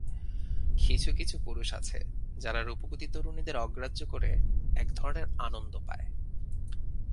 কিছু-কিছু পুরুষ আছে যারা রূপবতী তরুণীদের অগ্রাহ্য করে একধরনের আনন্দ পায়।